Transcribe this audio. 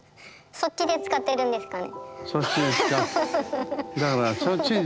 そっちで使ってるんですかね？